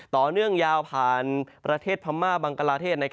ต่อเนื่องยาวผ่านประเทศพม่าบังกลาเทศ